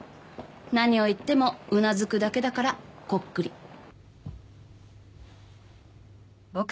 何を言ってもうなずくだけだからコックリ。